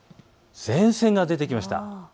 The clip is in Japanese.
前線が出てきました。